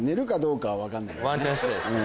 ワンちゃん次第ですね。